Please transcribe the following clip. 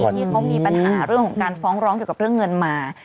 ที่เขามีปัญหาเรื่องของการฟ้องร้องเกี่ยวกับเรื่องเงินมา